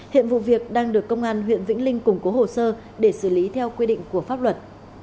hiện vụ việc đang được công an huyện vĩnh linh củng cố hồ sơ để xử lý theo quy định của pháp luật